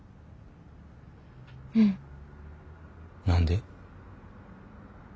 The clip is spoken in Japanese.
うん。何で？